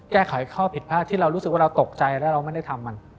แก้ไขข้อผิดพลาดที่เรารู้สึกว่าเราตกใจแล้วเราไม่ได้ทำมัน